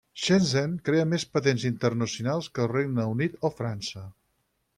Shenzhen crea més patents internacionals que el Regne Unit o França.